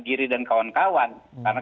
giri dan kawan kawan karena